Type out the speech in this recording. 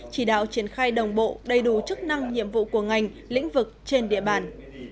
chỉ đạo triển khai đồng bộ đầy đủ chức năng nhiệm vụ của ngành lĩnh vực trên địa bàn